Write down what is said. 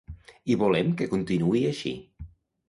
I volem que continuï així.